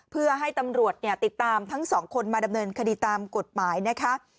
เพื่อให้ตำรวจติดตามทั้งสองคนมาดำเนินคดีตามกฎหมายนะคะ